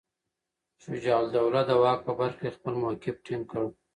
شجاع الدوله د واک په برخه کې خپل موقف ټینګ کړ.